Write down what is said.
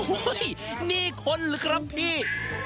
โอ้โฮนี่คนหรือครับพี่